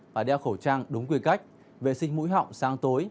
và đeo khẩu trang đúng quy cách vệ sinh mũi họng sáng tối